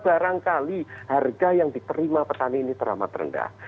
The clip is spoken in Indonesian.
barangkali harga yang diterima petani ini teramat rendah